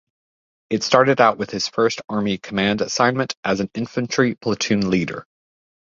It started out with his first Army command assignment, as an infantry platoon leader.